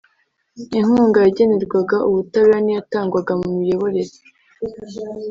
inkunga yagenerwaga ubutabera n’ iyatangwaga mu miyoborere